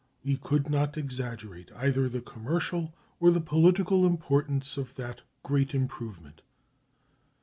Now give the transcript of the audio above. We could not exaggerate either the commercial or the political importance of that great improvement.